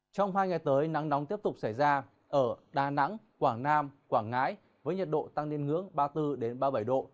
trong hai ngày tới nắng nóng tiếp tục xảy ra ở đà nẵng quảng nam quảng ngãi với nhiệt độ tăng lên ngưỡng ba mươi bốn ba mươi bảy độ